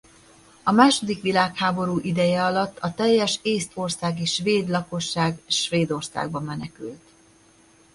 A második világháború ideje alatt a teljes észtországi svéd lakosság Svédországba menekült.